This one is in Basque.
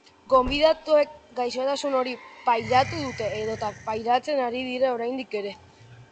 Gonbidatuek gaixotasun hori pairatu dute edota pairatzen ari dira oraindik ere.